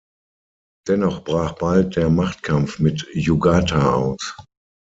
Dennoch brach bald der Machtkampf mit Jugurtha aus.